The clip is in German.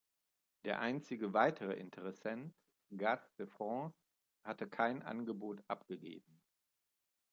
Der einzige weitere Interessent, Gaz de France, hatte kein Angebot abgegeben.